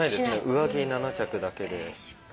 上着７着だけで。